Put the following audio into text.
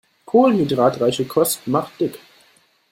Kohlenhydratreiche Kost macht dick.